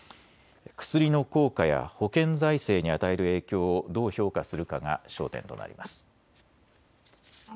薬の効果や保険財政に与える影響をどう評価するかが焦点となります。